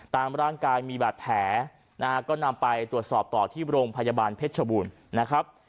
ตามร่างกายมีบาดแผลนะฮะก็นำไปตรวจสอบต่อที่โรงพยาบาลเพชรชบูรณ์นะครับ